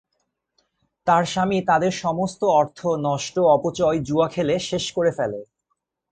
তার স্বামী তাদের সমস্ত অর্থ নষ্ট অপচয়, জুয়া খেলে শেষ করে ফেলে।